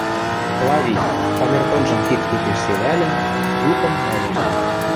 Клавий, камертонжым кид тупеш севӓлӹн, юкым нӓлеш.